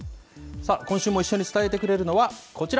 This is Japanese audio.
今週も一緒に伝えてくれるのは、こちら。